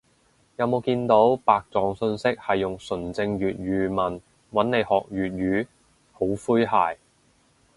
有冇見過白撞訊息係用純正粵語問，搵你學粵語？好詼諧